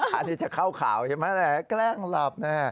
อันนี้จะเข้าข่าวใช่ไหมแกล้งหลับ